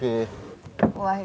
ini untuk harga masuk